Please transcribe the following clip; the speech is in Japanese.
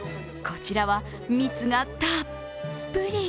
こちらは蜜がたっぷり。